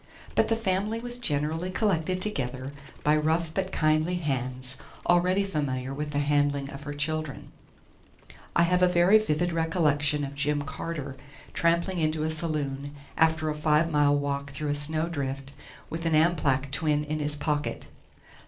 But the family was generally collected together by rough but kindly hands already familiar with the handling of her children. I have a very vivid recollection of Jim Carter trampling into a saloon, after a five mile walk through a snowdrift, with an Amplach twin in his pocket.